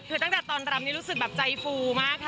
คือตั้งแต่ตอนรำนี่รู้สึกแบบใจฟูมากค่ะ